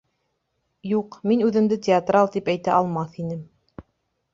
Юҡ, мин үҙемде театрал тип әйтә алмаҫ инем